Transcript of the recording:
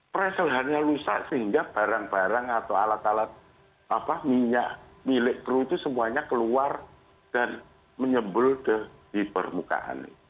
pressel hand nya rusak sehingga barang barang atau alat alat minyak milik kru itu semuanya keluar dan menyembul di permukaan